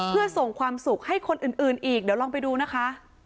เพื่อส่งความสุขให้คนอื่นอีกเดี๋ยวลองไปดูนะคะ